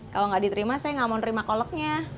kalau gak diterima saya gak mau terima kolaknya